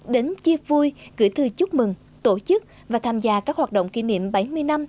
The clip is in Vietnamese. đến chia vui gửi thư chúc mừng tổ chức và tham gia các hoạt động kỷ niệm bảy mươi năm